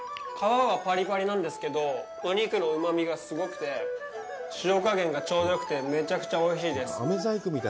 皮はパリパリなんですけど、お肉のうまみがすごくて、塩加減がちょうどよくて、めちゃくちゃおいしいです。